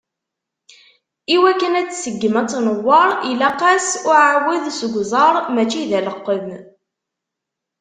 Iwakken ad tseggem, ad tnewweṛ, ilaq-as uɛawed seg uẓar, mačči d aleqqem.